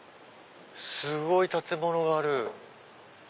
すごい建物がある。